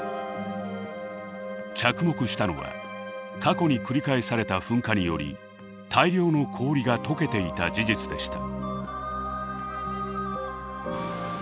着目したのは過去に繰り返された噴火により大量の氷が解けていた事実でした。